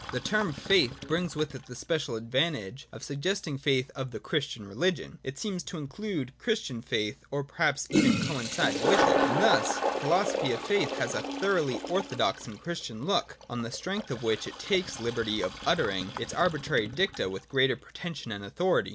The term Faith brings with it the special advantage of suggesting the faith of the Christian religion ; it seems to include Christian faith, or perhaps even to coincide with it; and thus the Philosophy of Faith has a thoroughly orthodox and Christian look, on the strength of which it takes the liberty of uttering its arbitrary dicta with greater pretension and authority.